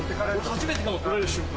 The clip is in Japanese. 初めてかも取れる瞬間。